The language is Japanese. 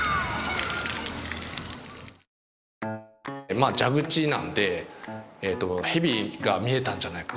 まあ蛇口なんで蛇が見えたんじゃないかっていう。